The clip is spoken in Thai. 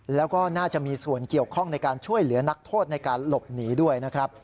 แล้วก็น่าจะมีส่วนเกี่ยวข้องในการช่วยเหลือนักโทษในการหลบหนีด้วยนะครับ